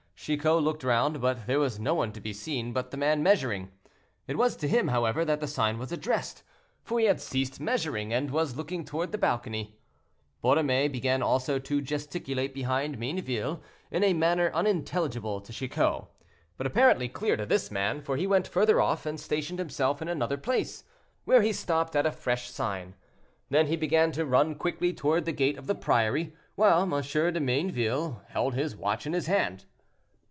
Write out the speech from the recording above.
Chicot looked round, but there was no one to be seen but the man measuring. It was to him, however, that the sign was addressed, for he had ceased measuring, and was looking toward the balcony. Borromée began also to gesticulate behind Mayneville, in a manner unintelligible to Chicot, but apparently clear to this man, for he went further off, and stationed himself in another place, where he stopped at a fresh sign. Then he began to run quickly toward the gate of the priory, while M. de Mayneville held his watch in his hand.